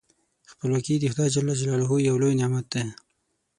خپلواکي د خدای جل جلاله یو لوی نعمت دی.